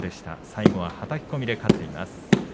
最後ははたき込みで勝っています。